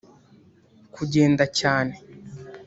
kugenda cyane